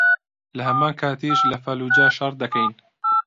لەهەمان کاتیش لە فەللوجە شەڕ دەکەین